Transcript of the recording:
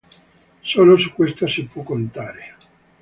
Solo su questa si può contare.